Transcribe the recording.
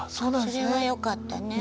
それはよかったね。